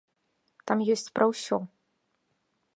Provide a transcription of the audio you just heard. Там ёсць пра ўсё.